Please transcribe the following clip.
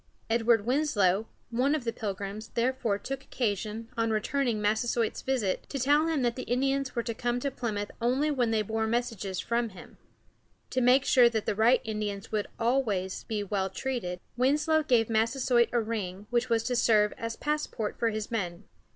Edward Wins´low, one of the Pilgrims, therefore took occasion, on returning Massasoit's visit, to tell him that the Indians were to come to Plymouth only when they bore messages from him. To make sure that the right Indians would always be well treated, Winslow gave Massasoit a ring, which was to serve as passport for his men.